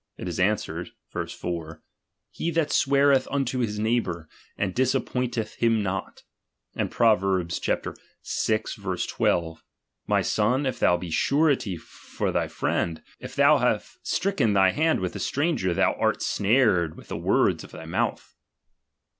it is answered (verse 4) : He that sweareth unto his neighbour, and disappointeth him not. And Prov. vi. 12: Mi/so/i, if thou be surety for thy friend, if thou have stricken thy hand with a stranger, thou art snared with the words of thy mouth.